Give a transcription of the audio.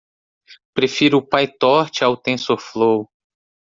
Prefiro o Pytorch ao Tensorflow.